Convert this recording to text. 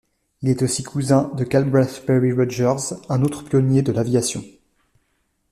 Il est aussi cousin de Calbraith Perry Rodgers, un autre pionnier de l'aviation.